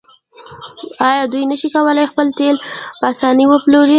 آیا دوی نشي کولی خپل تیل په اسانۍ وپلوري؟